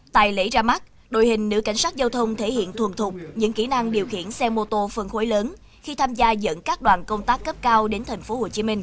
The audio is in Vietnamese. tại lễ ra mắt đội hình nữ cảnh sát giao thông thể hiện thuần thuộc những kỹ năng điều khiển xe mô tô phân khối lớn khi tham gia dẫn các đoàn công tác cấp cao đến tp hcm